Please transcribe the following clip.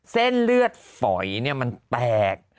เส้นเลือดฝอยเนี่ยมันแตก